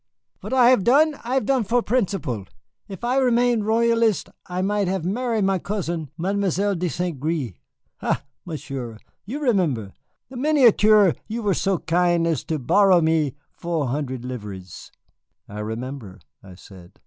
"What I have done, I have done for principle. If I remain Royalist, I might have marry my cousin, Mademoiselle de St. Gré. Ha, Monsieur, you remember the miniature you were so kin' as to borrow me four hundred livres?" "I remember," I said.